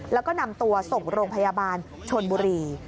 แล้วก็นำตัวส่งโรงพยาบาลชนบุรี